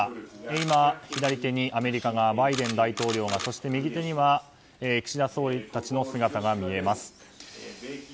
今、左手側にアメリカのバイデン大統領がそして右手には岸田総理たちの姿が見えます。